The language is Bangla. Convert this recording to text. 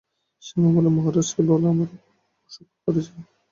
শ্যামা বললে, মহারাজকে বলো আমার অসুখ করেছে।